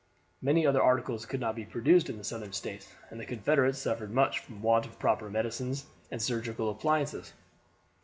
Many other articles could not be produced in the Southern States, and the Confederates suffered much from the want of proper medicines and surgical appliances.